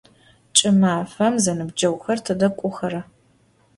Ç'ımafem zenıbceğuxer tıde k'oxera?